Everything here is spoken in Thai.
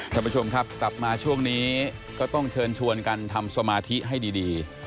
ท่านผู้ชมครับกลับมาช่วงนี้ก็ต้องเชิญชวนกันทำสมาธิให้ดี